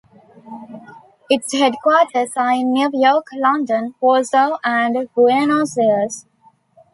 Its headquarters are in New York, London, Warsaw and Buenos Aires.